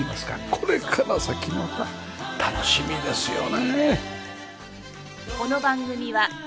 これから先また楽しみですよね。